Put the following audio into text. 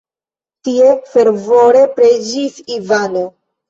Tie fervore preĝis Ivano.